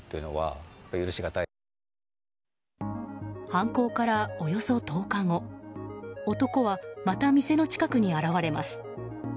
犯行から、およそ１０日後男は、また店の近くに現れます。